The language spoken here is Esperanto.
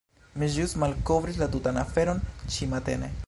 Mi ĵus malkovris la tutan aferon ĉi-matene.